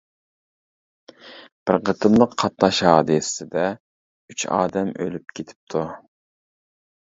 بىر قېتىملىق قاتناش ھادىسىسىدە ئۈچ ئادەم ئۆلۈپ كېتىپتۇ.